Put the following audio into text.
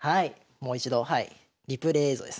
もう一度はいリプレー映像です。